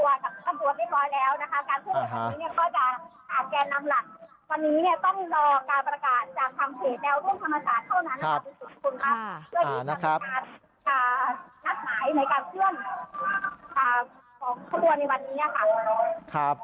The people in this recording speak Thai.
วันนี้ต้องรอการประกาศ